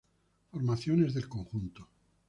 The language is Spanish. Formaciones del conjunto